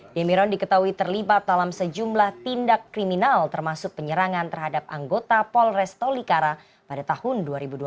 demiron diketahui terlibat dalam sejumlah tindak kriminal termasuk penyerangan terhadap anggota polres tolikara pada tahun dua ribu dua belas